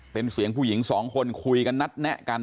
เป็นเสียงผู้หญิงสองคนคุยกันนัดแนะกัน